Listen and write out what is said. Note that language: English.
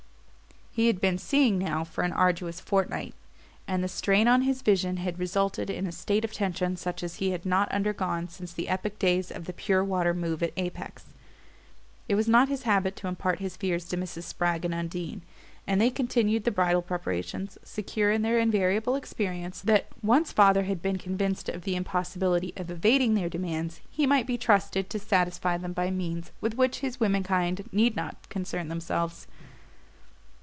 He had been "seeing" now for an arduous fortnight; and the strain on his vision had resulted in a state of tension such as he had not undergone since the epic days of the Pure Water Move at Apex. It was not his habit to impart his fears to Mrs. Spragg and Undine, and they continued the bridal preparations, secure in their invariable experience that, once "father" had been convinced of the impossibility of evading their demands, he might be trusted to satisfy them by means with which his womenkind need not concern themselves.